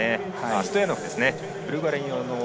ストヤノフですね。